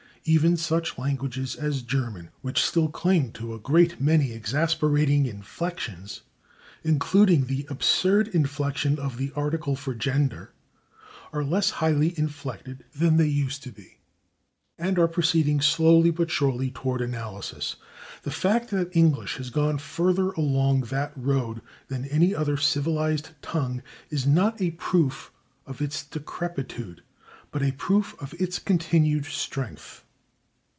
Even such languages as German, which still cling to a great many exasperating inflections, including the absurd inflection of the article for gender, are less highly inflected than they used to be, and are proceeding slowly but surely toward analysis. The fact that English has gone further along that road than any other civilized tongue is not a proof of its decrepitude, but a proof of its continued strength.